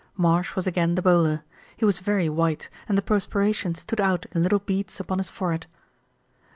Marsh was again the bowler. He was very white, and the perspiration stood out in little beads upon his forehead.